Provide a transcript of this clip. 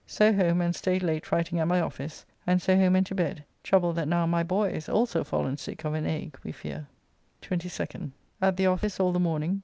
So home, and staid late writing at my office, and so home and to bed, troubled that now my boy is also fallen sick of an ague we fear. 22nd. At the office all the morning.